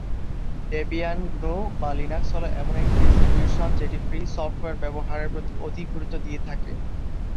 Debian GNU Linux হলো এমন একটি ডিস্ট্রিবিউশন যেটি ফ্রি সফটওয়্যার ব্যবহারের প্রতি অধিক গুরুত্ব দিয়ে থাকে।